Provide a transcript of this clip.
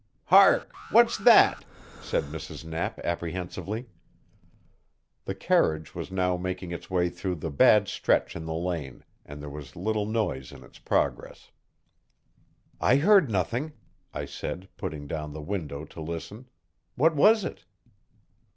"Hark! what's that?" said Mrs. Knapp apprehensively. The carriage was now making its way through the bad stretch in the lane, and there was little noise in its progress. "I heard nothing," I said, putting down the window to listen. "What was it?"